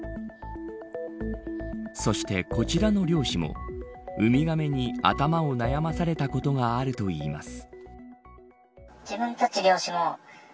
そして、こちらの漁師もウミガメに頭を悩まされたことがあるといいます。